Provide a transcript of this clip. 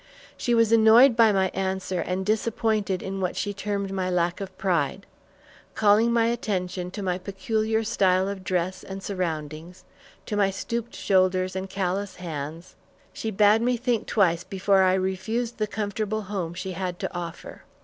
She was annoyed by my answer and disappointed in what she termed my lack of pride. Calling my attention to my peculiar style of dress and surroundings, to my stooped shoulders and callous hands, she bade me think twice before I refused the comfortable home she had to offer.